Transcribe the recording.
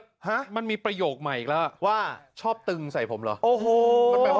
นะว่ามันมีประโยคใหม่ก็ว่าชอบตึงใส่ผมแล้ว